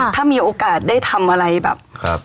ถ้ามีโอกาสได้ทำอะไรแบบ